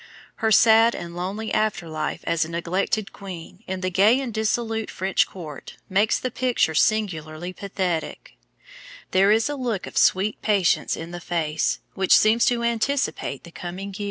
Her sad and lonely after life as a neglected queen, in the gay and dissolute French court, makes the picture singularly pathetic. There is a look of sweet patience in the face, which seems to anticipate the coming years. [Illustration: PRINCESS MARIA THERESA.